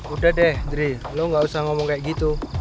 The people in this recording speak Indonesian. udah deh jadi lo gak usah ngomong kayak gitu